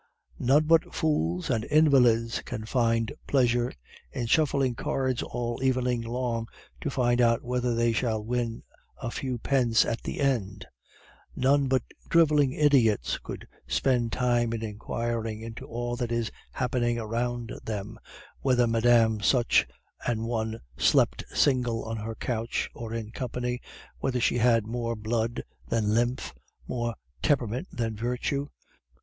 "'None but fools and invalids can find pleasure in shuffling cards all evening long to find out whether they shall win a few pence at the end. None but driveling idiots could spend time in inquiring into all that is happening around them, whether Madame Such an One slept single on her couch or in company, whether she has more blood than lymph, more temperament than virtue.